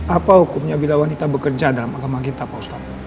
apa hukumnya bila wanita bekerja dalam agama kita pak ustadz